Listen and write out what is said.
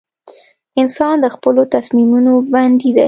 • انسان د خپلو تصمیمونو بندي دی.